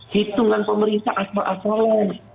hitungan pemerintah asal asalan